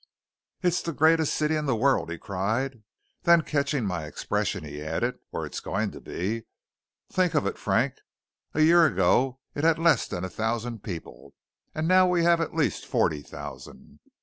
"It's the greatest city in the world!" he cried; then catching my expression, he added, "or it's going to be. Think of it, Frank! A year ago it had less than a thousand people, and now we have at least forty thousand.